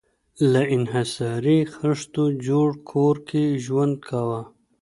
له انحصاري خښتو جوړ کور کې ژوند کاوه.